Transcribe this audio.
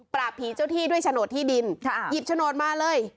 ปราบผีเจ้าที่ด้วยฉโนตที่ดินหยิบฉโนตมาเลย